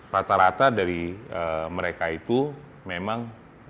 rata rata dari mereka itu memang